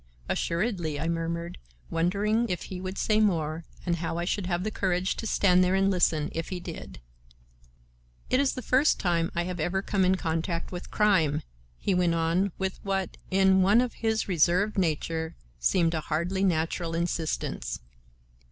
"Assuredly," I murmured, wondering if he would say more and how I should have the courage to stand there and listen if he did. "It is the first time I have ever come in contact with crime," he went on with what, in one of his reserved nature, seemed a hardly natural insistence.